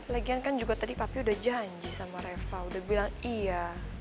lagian kan juga tadi papi udah janji sama reva udah bilang iya